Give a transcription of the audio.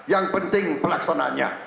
yang penting pelaksanaannya